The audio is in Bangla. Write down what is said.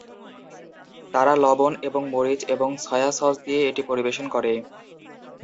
তারা লবণ এবং মরিচ এবং সয়া সস দিয়ে এটি পরিবেশন করে।